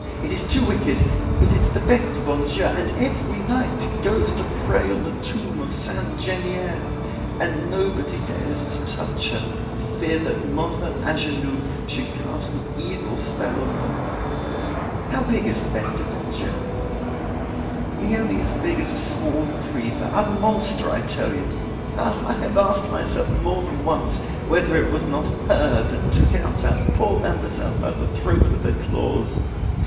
It is too wicked, but it's the Bete du bon Dieu, and, every night, it goes to pray on the tomb of Sainte Genevieve and nobody dares to touch her, for fear that Mother Angenoux should cast an evil spell on them." "How big is the Bete du bon Dieu?" "Nearly as big as a small retriever, a monster, I tell you. Ah! I have asked myself more than once whether it was not her that took our poor Mademoiselle by the throat with her claws.